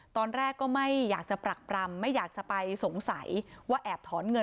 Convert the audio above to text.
ตอนแรกก็ไม่อยากจะปรักปรำไม่อยากจะไปสงสัยว่าแอบถอนเงิน